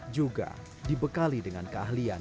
yang membawa kesehatan atas dan ikhlas